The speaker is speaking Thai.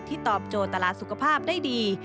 ที่ตอบโจตราสุขภาพได้ดี